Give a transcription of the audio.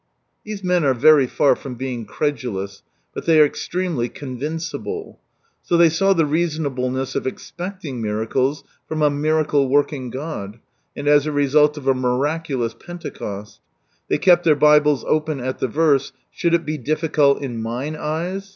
" These men are very far from being credulous, but they are extremely con vinceable ; so they saw the reasonableness of expecting miracles from a miracle working God, and as a result of a miraculous Penlecost They kept their Bibles open at the verse, "Should it be difficult in Mine eyes?"